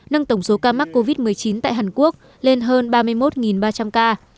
nâng tổng số ca mắc covid một mươi chín tại hàn quốc lên hơn ba mươi một ba trăm linh ca